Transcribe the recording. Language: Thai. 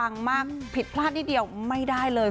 มีความเปะมัคผิดพลาดนิดเดี๋ยวไม่ได้เลย